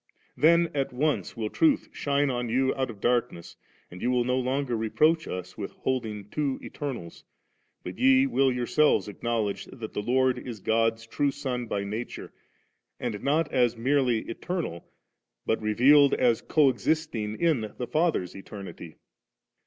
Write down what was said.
Then at once will truth shine on you out of darkness, and ye will no longer reproach us with holding two Eternals 7, but ye will yourselves acknowledge that the Lord is God's true Son by nature, and not as merely eternal*, but revealed as co existing in the Father's eternity.